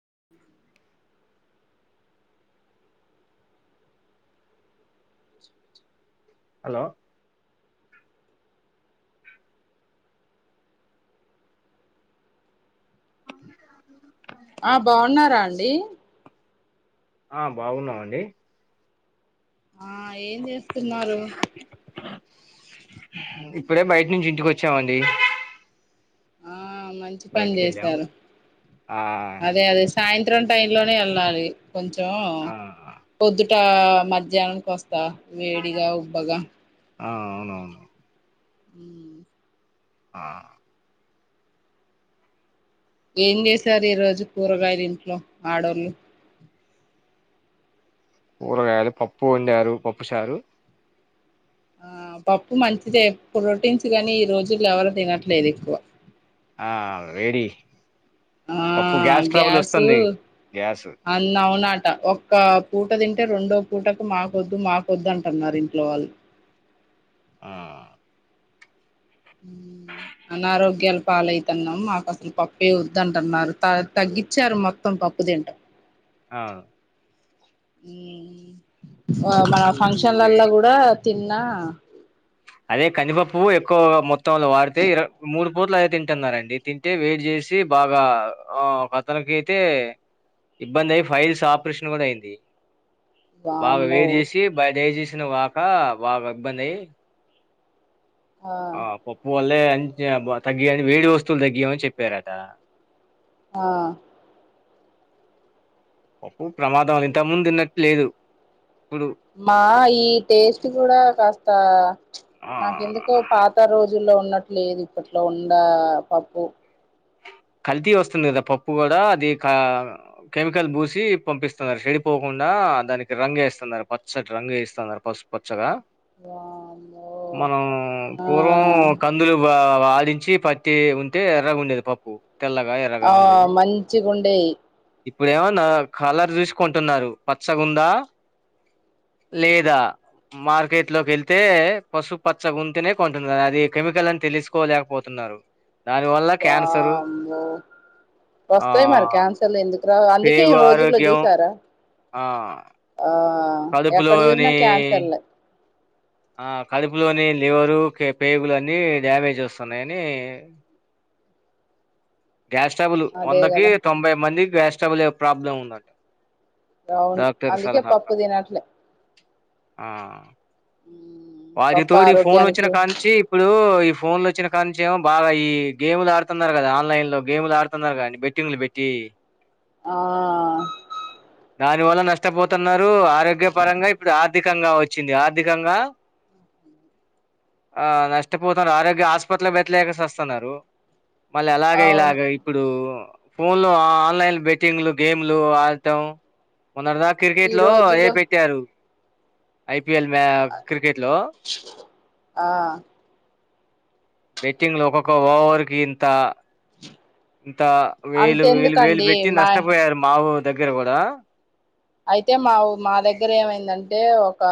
[inaudible] [inaudible] Hello [inaudible] ఆ బాగున్నారా అండి. ఆ బాగున్నామండి. ఆ ఏం చెస్తున్నారు. ఇప్పుడే బయటి నుంచి ఇంటికి వచ్చామండి. ఆ మంచి పని బయటికి వెళ్ళాం చేశారు ఆ అదే అదే సాయంత్రం చిత్రం టై లోనే వెళ్ళాలి కొంచెం ఆ పొద్దు ఇ మధ్యాహ్నానికి వస్తా వేడిగా ఉప్ప గా ఆ అవునవును. ఉ [inaudible] ఆ ఏం చేసారు ఈ రోజు కూరగాయలు ఇంట్లో ఆడోళ్ళు కూరగాయలు పప్పు వండారు పప్పు చారు. ఆ పప్పు మంచిది ప్రోటీన్స్ గాని ఈ రోజులో ఎవరు తినట్లేదు ఎక్కువ ఆ వేడి ఆ పప్పు గ్యాస్ ట్రబుల్ వస్తుంది గ్యా అన్నవునాట ఒక్క పూట తింటే రెండో పూటకు మాకొద్దు మాకొద్దు అంటున్నారు ఇంట్లో వాళ్ళు ఆ ఊ అనారోగ్యాల పాలయితున్నాం మాకు అసలు పప్పు వదంటున్నారు త తగ్గించారు మొత్తం పప్పు దింటం అవును ఊ వో మా పప్పు ఫంక్షన్లల వేడి కూడా తిన్నా అదే కందిపప్పు ఎక్కువ మొత్తంలో వాడితే ఇర మూడు బూట్ల అయే తింటున్నారండి తింటే వెడ్ చేసి బాగా ఒక అతనికి అయితే ఇబ్బంది అయి ఫైల్స్ ఆపరేషన్ కూడా అయింది బాగా వామ్మో వేడ్ చేసి బడేజేషిన గాక బాగా ఇబ్బంది అయి ఆ పప్పు వలే బ తగ్గియని వేడి వస్తువులు తగ్గియామని చెప్పారట ఆ పప్పు ప్రమాదం ఇంత ముందు తిన్నట్టు లేదు ఇప్పుడు మా ఈ టేస్ట్ కూడా కాస్త ప్చ్ ఆ నాకెందుకో పాత రోజు రోజుల్లో ఉన్నట్లేదు ఇప్పట్లో ఉండ పప్పు కల్తీ వస్తుంది కదా పప్పు కూడా అది క కెమికల్ పూసి పంపిస్తున్నారు చెడిపోకుండా నా దానికి రంగు వేస్తున్నారు పచ్చటి రంగు వేస్తున్నారు పసు పచ్చగా వామ్మో మనం ఆ పూర్వం కందులు బా ఆడించి పట్టి ఉంటే ఎర్రగా ఉండేది పప్పు తెల్లగా ఎర్రగా ఆ ఉండేది మంచిగుండేయి ఇప్పుడు ఏమో నా కలర్ చూసి కొంటున్నారు పచ్చగుందా లేదా మార్కెట్ లోకి వెళ్తే పసుపు పచ్చ గుంతనే కొంటునారు అది కెమికల్ అని తెలుసుకోలేకపోతు నారు దాని వల్ల క్యాన్సర్ నా వస్తాయి మరి క్యాన్సర్ లు ఎందుకు కీ పేగు రోజుల్లో ఆరోగ్యం జూసారా ఆ అదుపులోని చూసినా క్యాన్సర్లే ఆ కడు పులోని లివరు పేగులు అన్ని డ్యామేజ్ వస్తున్నాయని గ్యాస్ స్ట్రబులు అదే వందకి కదా తొంభై మందికి గ్యాస్టబుల్ ఏ ప్రాబ్లమ్ ఉందట అవును అందుకే పప్పు తినట్లే ఆ ఉమ్, పప్పు వాటితోడు ఈ ఫోన్ వచ్చిన ఆరోగ్యానికి కాంచి ఇప్పుడు ఈ ఫోన్ లో వచ్చిన కానుంచి ఏమో బాగా ఈ గేమ్లు ఆడుతున్నారు కదా ఆన్లైన్ లో గేమ్లు ఆడుతున్నారు కానీ బెట్టింగ్లు పెట్టి ఇ ఆ దాని వల్ల నష్టపోతున్నారు ఆరోగ్య పరంగా ఇప్పుడు ఆర్థికంగా వచ్చింది ఆర్థికంగా [inaudible] ఆ నష్టపోతర్ ఆరోగ్య ఆస్పట్లక్ పెట్లేక సస్తన్నారు మళ్ళ అలాగే అవును ఇలాగ ఇప్పుడు ఫోన్ లో ఆన్లైన్ బెట్టింగ్లు గేమ్లు ఆట్టం మొన్నటిదా క్రికెట్ ఈ లో అదే రోజులో పెట్టారు ఐపీఎల్ మే క్రికెట్ లో ఆ బెట్టింగ్ లో ఒక్కొక్క ఓవర్ కి ఇంత ఇంత వేలు వేలు వేలు అంతెందుకండి పెట్టి మా నష్టపోయారు మాఊర్ దగ్గర కూడా అయితే మాఉ మా దగ్గర ఏమైందంటే ఒకా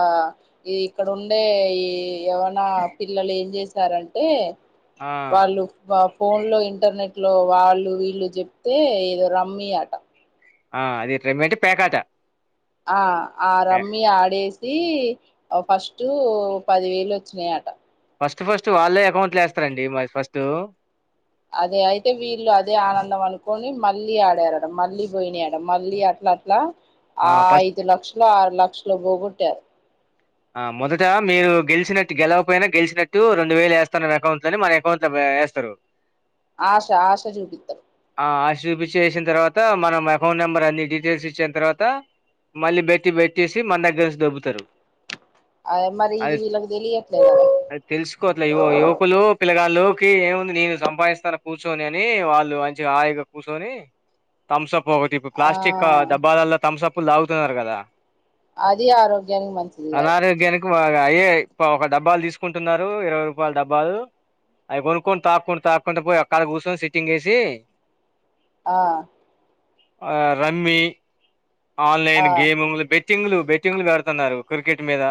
ఈ ఇక్కడ ఉండే ఈ ఎవరన్నా పిల్లలేం చేశారంటే ఆ వాళ్ళు పా ఫోన్ లో ఇంటర్నెట్ లో వాళ్ళు వీళ్ళు చెప్తే ఏదో రమ్మీ ఆట ఆ అదే రమ్మీ అంటే పేకాట ఆ ఆ పే రమ్మి ఆడేసి ఓ ఫస్టు పదివేలొచ్చినీ అట ఫస్ట్ ఫస్టు వాళ్ళే ఎకౌంట్లు ఏస్తరండి మస్ ఫస్తు అదే అయితే వీళ్ళు అదే ఆనందం అనుకొని మళ్ళీ ఆడారట మళ్ళీ పోయినీయట మళ్ళీ అ లట్లా ఆ ఐదు లక్షలో ఆరు లక్షలో బోగొట్టారు ఆ మొదట మీరు గెలిచినట్టు గెలవపోయినా గెల్చినట్టు రెండు వేలేస్తానారు అకౌంట్లలోని మన అకౌంట్ లో వేస్తారు ఆష ఆష చూపితర్ ఆ ఆశ చూపించేసిన తర్వాత మనం అకౌంట్ నెంబర్ అన్ని డీటెయిల్స్ ఇచ్చిన్ తర్వాత మళ్ళీ బెట్టి బెట్టేసి మన దగ్గర్ దొబ్బుతారు అదే మరి ఇది అది వీళ్ళకి తెలియట్లేదు కదా అది తెలుసుకో అట్లా యువ యువకులు పిల్లగా లోకి ఏముంది నేను సంపాదిస్తాను కూర్చొని అని వాళ్ళు మంచిగా హాయిగా కూసోని థమ్సప్ ఒకటి ఇప్ ఆ ప్లాస్టిక్క డబ్బాలల్ల థమ్సప్లు తాగుతున్నారు కదా అదీ ఆరోగ్యానికి మంచిది కాదు ఇక అయ్యే ఇ ఒక డబ్బాల్ తీసుకుంటున్నారు ఇరవై రూపాయల్ డబ్బాలు అవి కొనుక్కొని తాక్కుని తాక్కుంట పోయి ఓక్కడ కూర్చొని సిట్టింగ్ ఏసి ఆ ఆ రమ్మి ఆన్లైన్ ఆ గేములు బెట్టింగ్లు బెట్టింగ్లు పెడతన్నారు క్రికెట్ మీద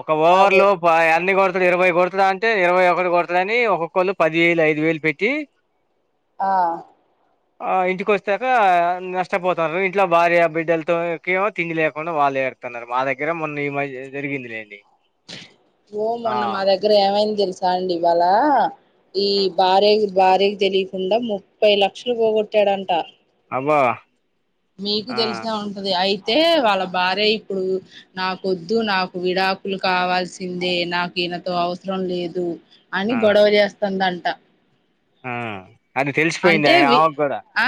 ఒక ఓవర్ అదే లోపు అయన్ని కొడ ఇప్పుడు ఇరవై కొడుతడా అంటే ఇరవై ఒకటి కొడతడు అని ఒక్కొక్కళ్ళు పది వేలు ఐదు వేలు పెట్టి ఆ ఆ ఇంటి కొచ్చాక నష్టపోతారు ఇంట్లో భార్య బిడ్డలతో ఎక్కి ఏమో తిండి లేకుండా వాళ్ళు ఏడుతున్నారు మా దగ్గర మొన్న ఈ మద్ జరిగిందిలేండి ఓ ఆ మొన్న మా దగ్గర ఏమైంది తెలుసా అండి ఇవాళ ఈ ఆ, భార్య భార్యకు తెలియకుండా ముప్పై లక్షలు పోగొట్టాడంట అబ్బా మీకు ఆ తెలిసే ఉంటది అయి తే వాళ్ళ భార్య ఇప్పుడు నాకొద్దు నాకు విడాకులు కావాల్సిందే నాకు ఈనతో అవసరం లేదు అని ఆ గొడవ చేస్తాందంట ఆ అది తెలిసిపోయింది అంటే ఆ- వి ఆమెకు కూడా ఆ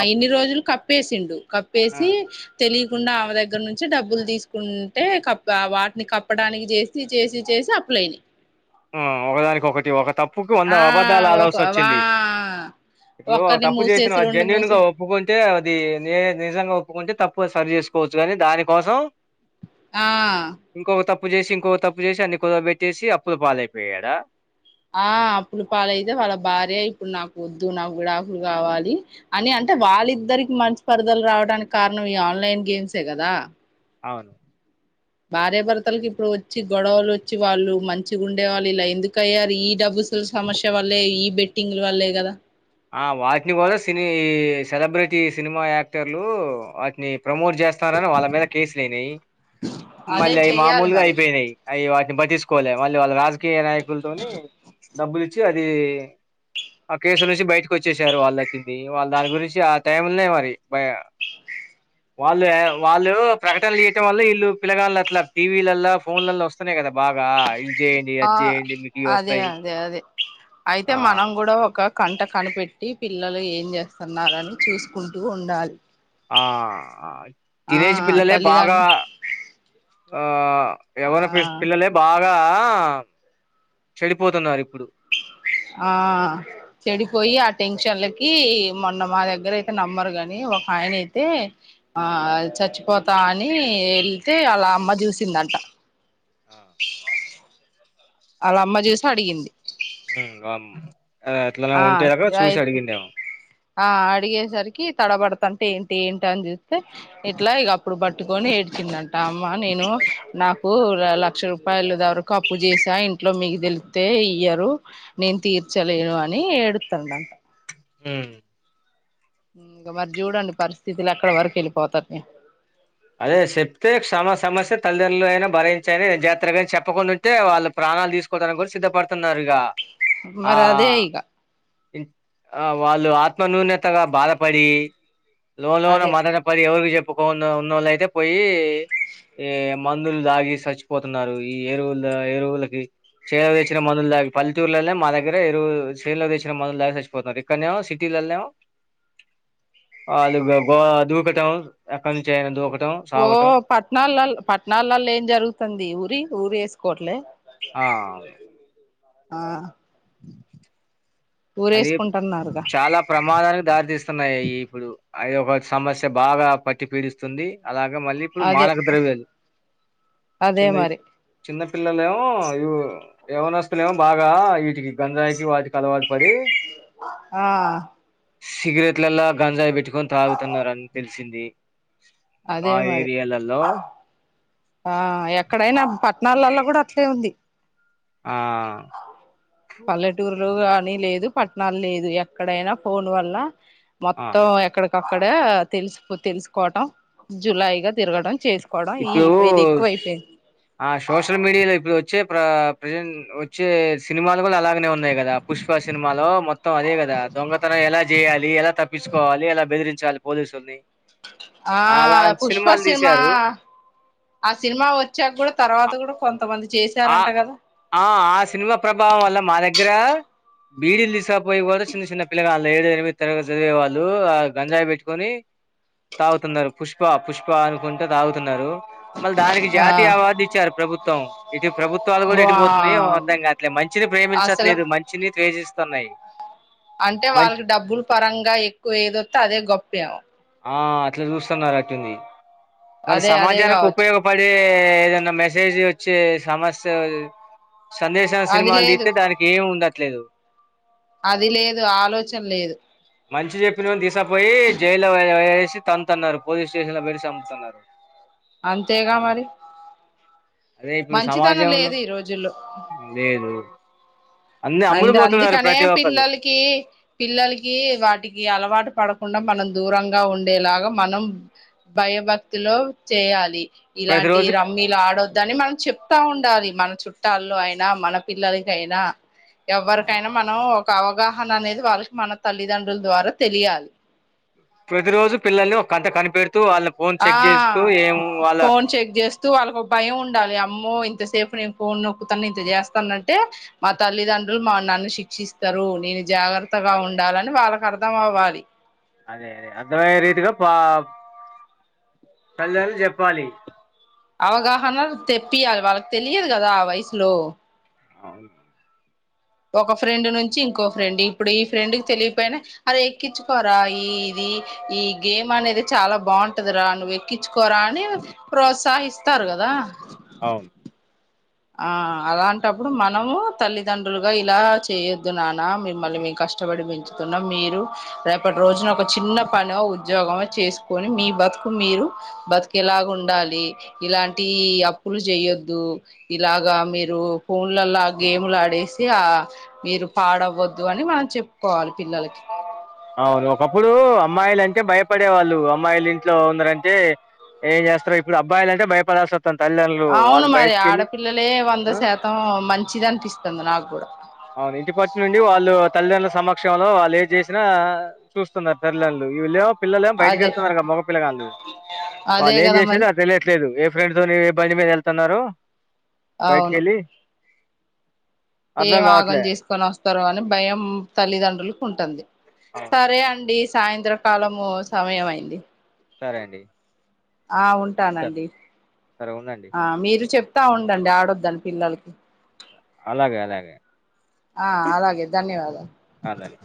అప్- ఇన్ని రోజులు కప్ ప్పేసిండు ఆ, కప్పేసి తెలి కుండా ఆమె దగ్గర నుంచి డబ్బులు తీసుకుంటే వాటిని కప్పడానికి చేసి చేసి చేసి అప్ [unintelligible] ఆ ఒకదానికి ఒకటి ఒక తప్పుకి వంద ఆ అబద్ధాలు ఒక ఆడాల్సి వా వచ్చింది ఇప్పుడు ఒక్కరిని తప్పు మూసేసి చేసినవ్ రెండు జెన్యుూన్ మూసే గా ఒప్పుకుంటే అది నిజంగా ఒప్పుకుంటే తప్పు సరి చేసుకోవచ్చు కానీ దాని కోసం ఆ అప్పు చేసి ఇంకో తప్పు చేసి అన్ని కుదవ పెట్టేసి అప్పులు పాలైపోయాడ ఆ అప్పుడు పాలైతే వాళ్ళ భార్య ఇప్పుడు నాకు ఒద్దు నాకు విడాకులు కావాలి అని అ అంటే వాళ్ళిద్దరికి మంచి పర్దలు రావడానికి కారణం ఈ ఆన్లైన్ గేమ్సే కదా అవును భార్యభర్తలకి ఇప్పుడు వచ్చి గొడవలు వచ్చి వాళ్ళు మంచిగా ఉండేవాళ్ళు ఇలా ఎందుకు అయ్యారు ఈ డబ్బు అసలు సమస్య వల్లే ఈ బెట్టింగ్ల వల్లే కదా ఆ వాటిని కూడ సినీ సెలబ్రిటీ సినిమా యాక్టర్లు వాటిని ప్రమోట్ చేస్తరని వాళ్ళ మీద కేసులు అయినాయి అదే మళ్ళీ అవి మామము చెయ్యాలి లుగా మరి అయిపోయినాయి అవి పట్టిచుకోలే మళ్ళీ వాళ్ళ రాజకీయ నాయకులతోని డబ్బులి ఇచ్చి అది ఆ కేసు నుంచి బయ్ వచ్చేసారు వాళ్ళకిింది వాళ్ళు దాని గురించి ఆ టైంనే మరి వాళ్ళు వాళ్ళు ప్రకటనలు చేయటం వల్ల వీళ్ళు పిలగాళ్లు అలా టీవీలల్లో ఫోన్లలో వస్తున్నాయి కదా బ గ ఆ అదే అదే అదే అయితే ఆ మనం గూడ ఒక కంట కనిపెట్టి పిల్లలు ఏం చేస్తున్నారని చూసుకుంటూ ఉండాలి ఆ ఆ టీనేజ్ పిల్లలే బాగ తల్లిదండ్రు ఆ [unintelligible] పిల్లలే బాగా ఆ చెడిపోతున్నారు ఇప్పుడు ఆ చెడిపోయి ఆ టెన్షన్లకి మొన్న మా దగ్గర అయితే నమ్మరు ని ఒక ఆయన అయితే ఆ చచ్చిపోతా అని వెళ్తే ఆల్ల అమ్మ చూసిందంట ఆ అల్ల అమ్మ చూసి అడిగింది అట్లానే ఉంటే చూసి ఆఐతే అడిగిండేమో అడిగేసరికి తడబడు [unintelligible] అంటే ఏంటి ఏంటి అని చూస్తే ఇట్ల ఇగ అప్పుడు పట్టుకొని ఏడ్చిందంట అమ్మా నేను నాకు లక్ష రూపాయలు వరకు అప్పు చేస ఇంట్లో మీకు తెలితే ఇయ్యరు నేన్ తీర్చలేను అని ఎడుతందంట హు ఇంక మరి చూడండి పరిస్థితులు ఎక్కడి వరకు వెళ్లిపోతున్నాయో అదే చెప్తే [unintelligible] సమస్య తల్లిదండ్రలుయిన భరించాయనా జాగ్రత్తలు చెప్పకుండా ఉంటే వాళ్ళు ప్రణాలు తీసుకోవడానికి సిద్ధపడుతున్నారు ఇగా మరి అదే ఇగ ఆ వాళ్ళు ఆత్మన్యూనతగ బాధపడి లో లోన అదే మదనపడి ఎవరికి చెప్పుకో ఉన్నోళ్ళ అయితే పోయి ఏ మందులు దాగి చచ్చిపోతున్నారు ఈ ఎరువుల ఎరువులకి చైలలో తెచ్చిన మందులు దాగి పల్లెటూర్లలో మా దగ్గర చైలో తెచ్చిన మందులు దగగా చచ్చిపోతారు ఇక్కడనే సిటీలో వె అళ్ళు డబ్బును దూకటం అక్కడి నుంచి అయనా దూకటం ఓ సావటం. పట్టణలల్లో పట్టణలల్లో ఏం జరుగుతుంది ఊరి ఊరి వేసుకోవట్లే ఆ అవును ఆ అది ఊరేసుకుంటున్నారుగా చాలా ప్రమాదానికి దారితీస్తున్నాయి ఇప్పుడు అది ఒక సమస్య బాగా పట్టి పీడిస్తుంది అలాగా మళ్ళీ ఇప్పుడు అదే మాదక ద్రవ్యాలు అదే చిన్నవి మరి చిన్న పిల్లలే ఇప్పుడు యవనస్తులు ఏమో బాగా వీటికి గంజాయికి వాటికి అల ఆ సిగరెట్లలో గంజాయి పెట్టుకొని తాగుతున్నారని తెలిసింది ఆ అదే మరి ఏరియాలల్లో ఆ ఎక్కడైనా పట్టణాలలో కూడా అట్లే ఉంది ఆ పని లేదు పట్టణాలు లేదు ఎక్కడైనా ఫోన్ వల్ల ఆ మొత్తం ఎక్కడ అక్కడ తెలుసు తెలుసుకోవటం జులాయి గా తిరగడం చేసుకోవడం ఈ ఇప్పుడు ఇది ఎక్కువ అయిపోయింది ఆ సోషల్ మీడియాలో ఇప్పుడు వచ్చే ఇప్పుడు ప్రజెంట్ వచ్చే సినిమాలు కూడా అలాగే ఉన్నాయి కదా పుష్ప సినిమాలో మొత్తం అదే కదా దొంగతనం ఎలా చేయ్యాలి ఎలా త తప్పించుకోవాలి ఎలా బెదిరించాలి పోలీసుల్ని ఆ అలాంటి పుష్ప సినిమాలు సినిమా తీశారు ఆ సినిమా వచ్చాక కూడా తర్వాత కూడా కొంత ఆ ఆ ఆ సినిమా ప్రభావం వల్ల మా దగ్గర బీడిలు తీసుకురాకపోయేకీ కూడా చిన్న చిన్న పిల్ల గాళ్ళు ఏడు ఎనిమిది తరగతి చదివేవాళ్ళు ఆ గంజాయి పెట్టుకొని తాగుతున్నారు పుష్ప పుష్ప అనుకుంటా తాగుతున్నారు మళ్ళా దానికి ఆ జాతీయ అవార్డు ఇచ్చారు ప్రభుత్వం ఇటు ప్రభుత్వాలు కూడా వా ఎటుపోతున్నాయో ఎమో అర్దం కావట్లే మంచిని అసలు ప్రేమించట్లేదు మంచిని ద్వేషిస్తున్నాయి అంటే మంచి వాళ్ళకి డబ్బులు పరంగా ఎక్కువ ఏదొత్తే అదే గొప్ప ఎమో ఆ అట్లా చూస్తున్నారు అట్టుంది మరి అదే అదే సమాజానికి కావచ్చు ఉపయోగపడే ఏదన్నా మెసేజ్ వచ్చె సమస్య ఏది సందేశాల అది సినిమాలు లేదు తీత్తె దానికి ఏమి ఉండట్లేదు అది లేదు ఆలోచన లేదు మంచి చెప్పినోళ్ళను తీసుకుపోయి జైల్లో పడేసు తంతాన్నారు పోలీస్ స్టేషన్ లో పెట్టి చంపతాన్నరు అంతేగా మరి అదే ఇప్పుడు మంచితనం సమాజంలో లేదు ఈ రోజుల్లో లేదు అన్ని అమ్ములు అందు పోతున్నారు అందుకనే ప్రతి ఒక్కళ్ళు పిల్లలకి పిల్లలకి వాటికి అలవాటు పడు కుండా మనం దూరంగా ఉండేలాగా మనం భయభక్తిలో చేయాలి ప్రతి ఇలాంటి రోజు రమ్మీలు ఆడొద్దని మనం చెప్ చెప్తా ఉండాలి మన చుట్టాల్లో అయినా మన పిల్లలకి అయినా ఎవ్వరికైనా మనం ఒక అవగాహన అనేది వాళ్ళకి మన తల్లిదండ్రుల ద్వారా తెలియాలి ప్రతి రోజు పిల్లల్ని ఒక కంటా కనిపెడు ఆ వాళ్ళ ఫోన్ చెక్ చేస్తూ వాళ్ళకు ఒక భయం ఉండాలి అమ్మో ఇంత సేపు నేను ఫోన్ నొక్కుతాను ఇంత చేస్తానంటే మా తల్లిదండ్రులు మా నన్ను శిక్షిస్తారు నేను జాగ్రత్తగా ఉండాలని వాళ్ళకి అర్థం అవ్వాలి అదే అదే అర్ధం రీతిగా పా తల్లిదండ్రులు చెప్పాలి అవగాహన తెప్పియాలి వాళ్ళకి తెలియదు కదా ఆ వయసులో అవును ఒక ఫ్రెండ్ నుంచి ఇంకో ఫ్రెండ్ ఇప్పుడు ఈ ఫ్రెండ్కి తెలియపోయినా అరే ఎక్కించుకోరా ఈ ఇది ఈ గేమ్ అనేది చాలా బాగుంటది రా నువు ఎక్కించుకోరా అని ప్రోత్సహిస్తారు కదా అవును ఆ అలాంటప్పుడు మనము తల్లిదండ్రులుగా ఇలా చేయొద్దు నాన్నా మిమ్మల్ని మీ క కష్టపడి పెంచుతున్నాం మీరు రేపటి రోజున ఒక చిన్న పనో ఉద్యోగమో చేసుకొని మీ బ తుకు మీరు బతుకేలాగ ఉండాలి ఇలాంటి అప్పులు చెయొద్దు ఇలాగా మీరు ఫోన్లలో గేమ్లు ఆడేసి ఆ మీరు పాడవ ద్దు అని మనం చెప్పుకోవాలి పిల్లలకి అవును ఒకప్పుడు అమ్మాయిలంటే భయపడే వాళ్ళు అమ్మాయిలు ఇంట్లో ఉన్నారంటే ఏం చేస్తారు ఇప్పుడు అబ్బాయి అంటే భయపడ అవును మరి ఆడపిల్లలే వంద ఆ శాతం మంచిది అనిపిస్తుంది నాకూడా అవును ఇంటి పటి నుండి వాళ్ళు తల్లిదండ్రుల సమక్షంలో వాళ్ళు ఏది చేసినా చూస్తున్నారు తల్లిదండులు వీళ్లేమో పిల్లలేమో బయటికి అదే ఎళ్తున్నారుగా మగ పిల్లగాళ్ళు అదే వాళ్ళు ఏం కదా చేసేదో మరి అది తెలియట్లేదు ఏ ఫ్రెండ్‌తోని ఏ బండి మీద ఎళ్తున్నారు అవును బయటికెళ్లి అర్ధం కావ ఏవన్నా చేసుకొని వస్తారో అని భయం తల్లిదండ్రులకు ఉంటుంది ఆ! సరే అండి సాయంత్ర కాలము సమయం అయింది సరే అండి ఆ ఉంటాను ఉంటానండి సరే ఉండండి ఆ మీరు చె ప్తా ఉండండి ఆడొద్దని పిల్లలకి అలాగే అలాగే ఆ అలాగే ధన్యవాదాలు అలాగే